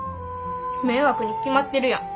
迷惑に決まってるやん。